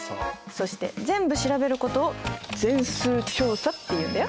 そして全部調べることを全数調査っていうんだよ。